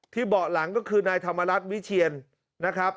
เบาะหลังก็คือนายธรรมรัฐวิเชียนนะครับ